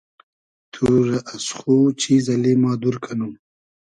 تو رۂ از خو چیز اللی ما دور کئنوم